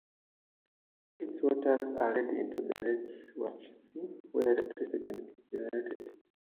Its waters are led into the lake Walchensee where electricity is generated.